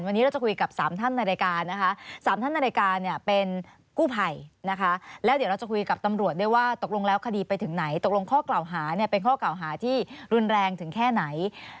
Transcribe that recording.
วันนี้เราจะคุยกับ๓ท่านในรายการนะคะ๓ท่านในรายการเนี่ยเป็นกู้ภัยนะคะแล้วเดี๋ยวเราจะคุยกับตำรวจด้วยว่าตกลงแล้วคดีไปถึงไหนตกลงข้อกล่าวหาเนี่ยเป็นข้อกล่าวหาที่รุนแรงถึงแค่ไหน